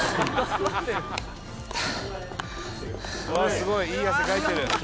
すごい！いい汗かいてる。